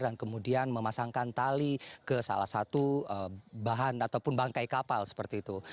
dan kemudian memasangkan tali ke salah satu bahan ataupun bangkai kapal seperti itu